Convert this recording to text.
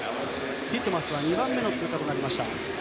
ティットマスは２番目の通過でした。